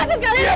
lepas su diam